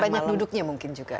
banyak duduknya mungkin juga